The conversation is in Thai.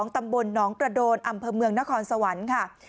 ตำบลหนองกระโดนอำเภอเมืองนครสวรรค์ค่ะ